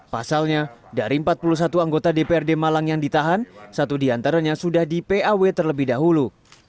pasalnya dari empat puluh satu anggota dprd malang yang ditahan satu diantaranya sudah di paw terlebih dahulu